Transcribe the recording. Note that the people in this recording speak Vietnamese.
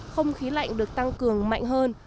không khí lạnh được tăng cường mạnh hơn